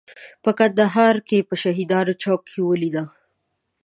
په کندهار کې په شهیدانو چوک کې ولیده.